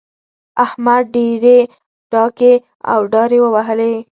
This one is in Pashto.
احمد ډېرې ډاکې او داړې ووهلې.